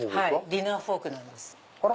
ディナーフォークです。